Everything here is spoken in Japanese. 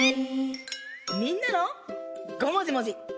みんなのごもじもじ！